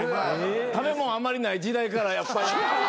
食べ物あまりない時代からやっぱり。